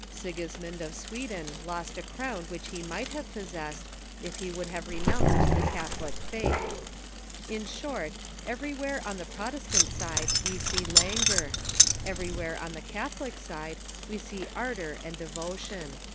Sigismund of Sweden lost a crown which he might have possessed if he would have renounced the Catholic faith. In short, every where on the Protestant side we see languor ; everyAvhere on the Catholic side we see ardor and devotion."